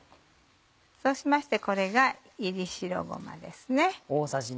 そうしましてこれが炒り白ごまですね。